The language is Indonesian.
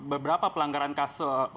beberapa pelanggaran kasus